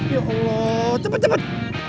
ya allah cepet cepet